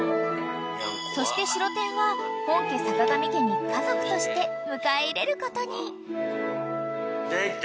［そしてシロテンは本家坂上家に家族として迎え入れることに］